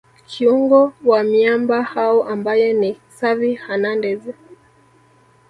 kiungo wa miamba hao ambaye ni Xavi Hernandez